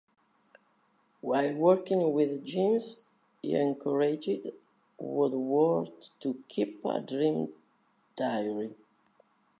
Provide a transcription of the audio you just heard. While working with James, he encouraged Woodworth to keep a dream diary.